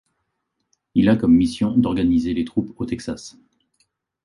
Il a comme mission d'organiser les troupes au Texas.